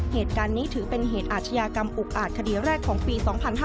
เหตุการณ์นี้ถือเป็นเหตุอาชญากรรมอุกอาจคดีแรกของปี๒๕๕๙